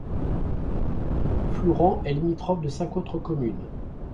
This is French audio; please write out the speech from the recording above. Flourens est limitrophe de cinq autres communes.